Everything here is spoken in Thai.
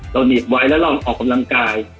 เหน็บไว้แล้วเราออกกำลังกาย